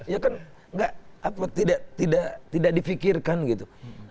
ya kan tidak tidak tidak tidak difikirkan gitu